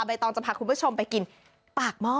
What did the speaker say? ตองจะพาคุณผู้ชมไปกินปากหม้อ